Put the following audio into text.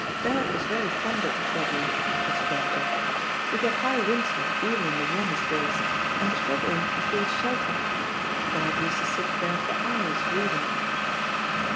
"Dad was very fond of the shrubbery," explained Jack. "We get high winds here even on the warmest days, and the shrubbery affords shelter. Dad used to sit there for hours reading."